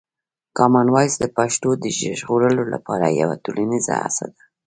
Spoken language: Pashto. کامن وایس د پښتو د ژغورلو لپاره یوه ټولنیزه هڅه ده.